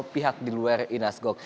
pihak di luar inasgo